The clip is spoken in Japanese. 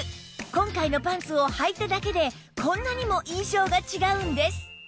今回のパンツをはいただけでこんなにも印象が違うんです